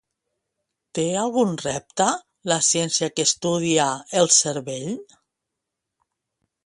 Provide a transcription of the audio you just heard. Té algun repte la ciència que estudia el cervell?